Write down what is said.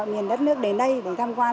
nhìn đất nước đến đây để tham quan